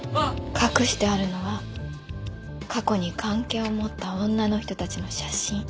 隠してあるのは過去に関係を持った女の人たちの写真。